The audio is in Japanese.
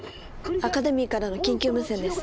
アカデミーからの緊急無線です。